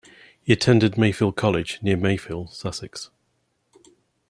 He attended Mayfield College near Mayfield, Sussex.